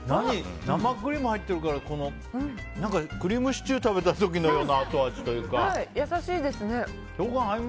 生クリーム入ってるからクリームシチュー食べた時の優しいですね。